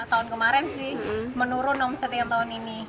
tahun kemarin sih menurun omset yang tahun ini